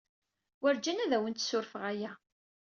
Werǧin ad awent-ssurfeɣ aya.